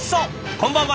こんばんは。